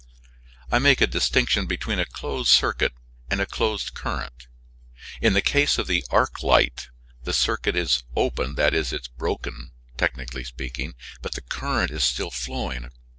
I make a distinction between a closed circuit and a closed current. In the case of the arc light the circuit is open (that is, broken), technically speaking, but the current is still flowing.